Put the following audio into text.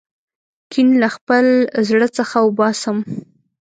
کین له خپل زړه څخه وباسم.